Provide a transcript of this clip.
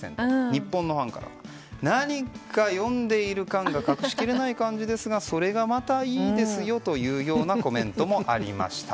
日本のファンからは何か読んでいる感が隠し切れない感じですがそれがまたいいですよというコメントもありました。